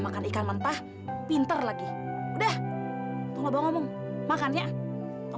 mari kita tangkap